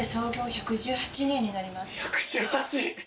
１１８！